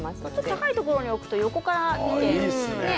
高いところに置くと横から見えますね。